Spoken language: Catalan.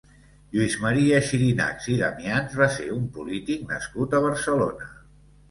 Lluís Maria Xirinacs i Damians va ser un polític nascut a Barcelona.